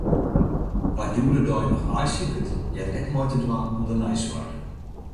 Wa’t hjoed-de-dei noch aaisiket, heart ek mei te dwaan oan de neisoarch.